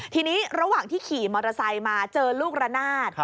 ทีนี้ระหว่างที่ขี่มอเตอร์ไซค์มาเจอลูกระนาด